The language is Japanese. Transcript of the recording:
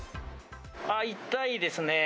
ああ、痛いですね。